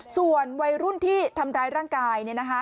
ส่วนวัยรุ่นที่ทำร้ายร่างกาย